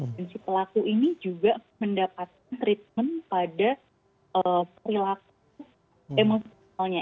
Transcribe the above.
dan si pelaku ini juga mendapatkan treatment pada perilaku emosionalnya itu